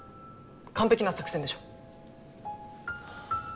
完璧な作戦でしょ？